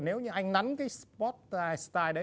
nếu như anh nắn cái style post đấy